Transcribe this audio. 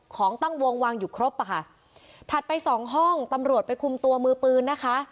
ของตั้งวงวางอยู่ครบอ่ะค่ะถัดไปสองห้องตำรวจไปคุมตัวมือปืนนะคะ